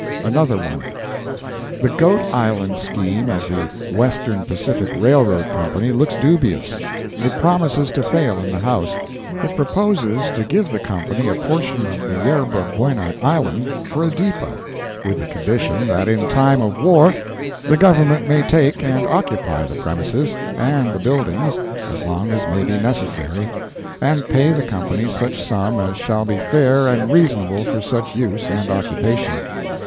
Another One. The Goat Island scheme of the Western Pacific Railroad Company looks dubious. It promises to fail in the House. It proposes to give the company a portion of Yerba Buena Island for a depot, with the condition that in time of war the Government may take and occupy the premises and the buildings as long as may be necessary, and pay the company such sum as shall be fair and reasonable for such use and occupation.